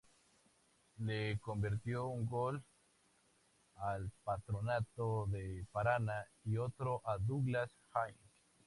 Le convirtió un gol a Patronato de Paraná y otro a Douglas Haig.